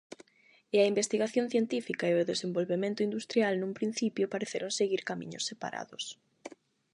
E a investigación científica e o desenvolvemento industrial nun principio pareceron seguir camiños separados.